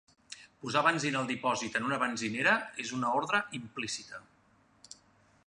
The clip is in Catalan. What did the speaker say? Posar benzina al dipòsit en una benzinera és una ordre implícita.